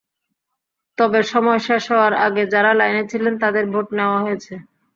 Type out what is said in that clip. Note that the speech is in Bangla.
তবে সময় শেষ হওয়ার আগে যাঁরা লাইনে ছিলেন, তাঁদের ভোট নেওয়া হয়েছে।